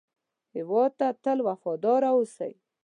هېواد ته تل وفاداره اوسئ